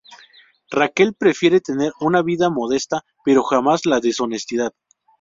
Raquel prefiere tener una vida modesta, pero jamás la deshonestidad.